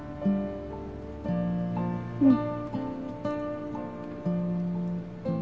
うん。